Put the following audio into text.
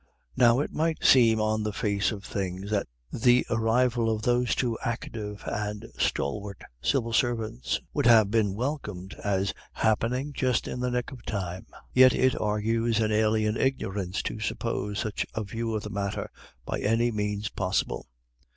Now it might seem on the face of things that the arrival of those two active and stalwart civil servants would have been welcomed as happening just in the nick of time; yet it argues an alien ignorance to suppose such a view of the matter by any means possible.